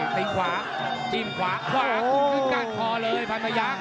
ติ้งขวาจิ้มขวาขวาขึ้นก้านคอเลยพันพยักษ